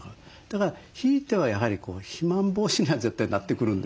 だからひいてはやはり肥満防止には絶対なってくるんですよ。